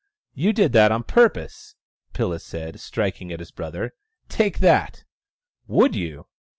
" You did that on purpose !" Pilla said, striking at his brother. " Take that !"" Would you